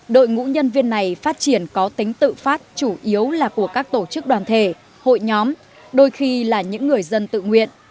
đội ngũ nhân viên này phát triển có tính tự phát chủ yếu là của các tổ chức đoàn thể hội nhóm đôi khi là những người dân tự nguyện